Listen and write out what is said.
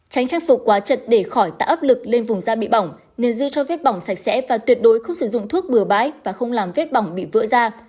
tránh trang phục quá chật để khỏi tạo ấp lực lên vùng da bị bỏng nên giữ cho viết bỏng sạch sẽ và tuyệt đối không sử dụng thuốc bừa bãi và không làm viết bỏng bị vỡ ra